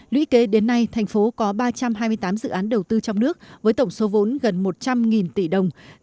lũy kế đến nay thành phố có ba trăm hai mươi tám dự án đầu tư trong nước với tổng số vốn gần một trăm linh tỷ đồng